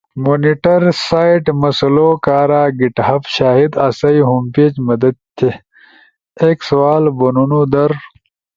مونیٹر سائیڈ مسلؤ کارا گیٹ ہب شاید آسئی ہوم پیج مدد تھی؟ ایک سوال بنونو در،